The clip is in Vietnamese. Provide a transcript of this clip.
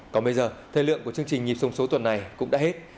còn bây giờ thời lượng của chương trình nhịp sông số tuần này cũng đã hết